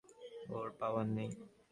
ওর power নেই।